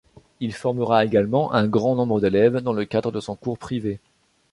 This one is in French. Il formera également un grand nombre d’élèves dans le cadre de son cours privé.